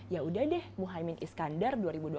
ya sudah deh muhyiddin iskandar dua ribu dua puluh empat